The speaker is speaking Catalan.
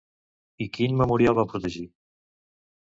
I quin memorial va protegir?